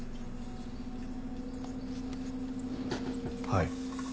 はい。